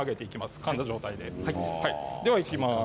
かんだ状態でいきます。